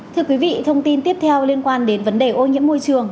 thưa quý vị thông tin tiếp theo liên quan đến vấn đề ô nhiễm môi trường